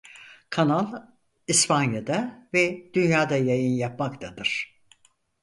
Kanal İspanya'da ve dünyada yayın yapmaktadır.